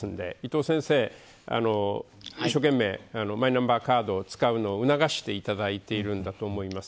伊藤先生、一生懸命マイナンバーカードを使うのを促していただいてると思います。